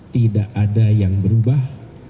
tidak ada yang berubah